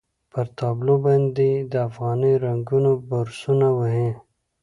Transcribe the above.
پر تابلو باندې یې د افغاني رنګونو برسونه وهي.